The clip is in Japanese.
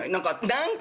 何か」。